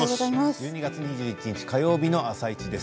１２月２１日火曜日の「あさイチ」です。